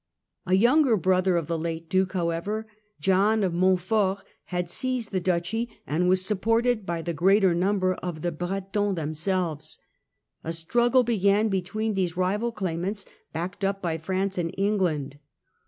A younger brother of the late Duke, however, John of Montfort, had seized the Duchy and was supported by the greater number of the Bretons themselves. A struggle began between these rival claimants, backed up by France and England.